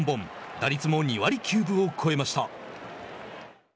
打率も２割９分を超えました。